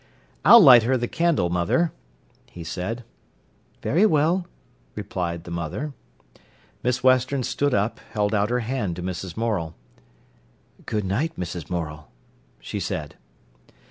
"I'll light her the candle, mother," he said. "Very well," replied the mother. Miss Western stood up, held out her hand to Mrs. Morel. "Good night, Mrs. Morel," she said.